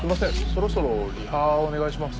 そろそろリハお願いします。